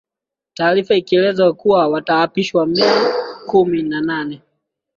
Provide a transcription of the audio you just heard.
Taarifa ikieleza kuwa wataapishwa Mei kumi na nane